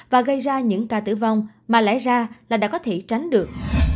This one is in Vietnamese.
và gây ra những ca tử vong mà lẽ ra là đã có thể tránh được